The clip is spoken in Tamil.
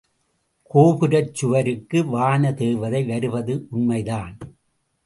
கோபுரச் சுவருக்கு வான தேவதை வருவது உண்மைதான்.